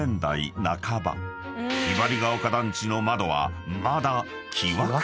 ［ひばりが丘団地の窓はまだ］